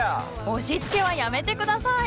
押しつけはやめて下さい！